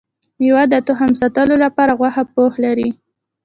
ميوه د تخم ساتلو لپاره غوښه پوښ لري